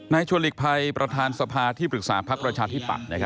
ชวนหลีกภัยประธานสภาที่ปรึกษาพักประชาธิปัตย์